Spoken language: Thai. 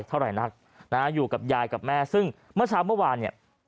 เท่าไหร่นักนะฮะอยู่กับยายกับแม่ซึ่งเมื่อเช้าเมื่อวานเนี่ย